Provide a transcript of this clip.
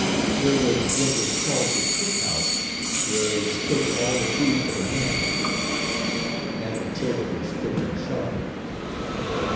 There was what was called the cook house, where was cooked all the food for the hands. Aunt Matilda was cook in charge.